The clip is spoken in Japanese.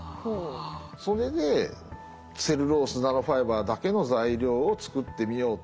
それでセルロースナノファイバーだけの材料を作ってみようって。